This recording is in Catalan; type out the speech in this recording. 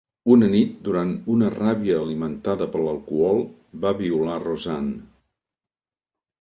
Una nit durant una ràbia alimentada per l'alcohol, va violar Roseanne.